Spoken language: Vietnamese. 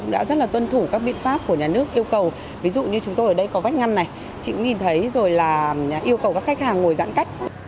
đã rất là tuân thủ các biện pháp của nhà nước yêu cầu ví dụ như chúng tôi ở đây có vách ngăn này chị cũng nhìn thấy rồi là yêu cầu các khách hàng ngồi giãn cách